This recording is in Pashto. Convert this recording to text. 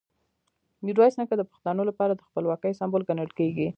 میرویس نیکه د پښتنو لپاره د خپلواکۍ سمبول ګڼل کېږي.